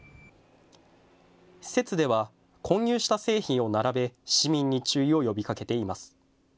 施設では混入した製品を並べ市民に注意を呼びかけています。